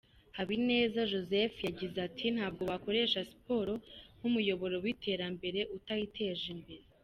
Habineza Joseph yagize ati: “Ntabwo wakoresha siporo nk’umuyoboro w’iterambere utayiteje imbere.